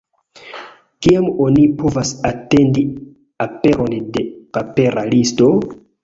Kiam oni povas atendi aperon de papera listo?